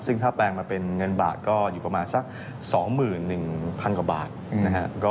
ซึ่งถ้าแปลงมาเป็นเงินบาทก็อยู่ในกระดับส่องหมื่นถึงพันกว่าบาทนะครับ